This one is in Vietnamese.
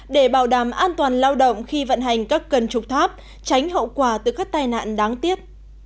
để bảo đảm an toàn lao động khi vận hành các cân trục tháp tránh hậu quả từ các tai nạn đáng tiếc